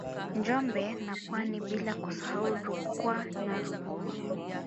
Njombe na Pwani bila kusahau Rukwa na Ruvuma